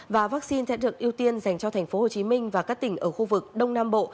và vaccine sẽ được ưu tiên dành cho thành phố hồ chí minh và các tỉnh ở khu vực đông nam bộ